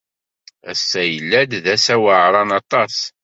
Ass-a yella-d d ass aweɛṛan aṭas.